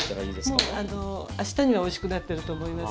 もうあのあしたにはおいしくなってると思いますけど。